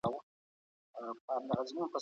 تل د نورو محصلینو سره په کار کي مرسته کوه.